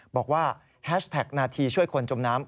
บอกว่าแฮชแท็กนาธิช่วยคนจมน้ำ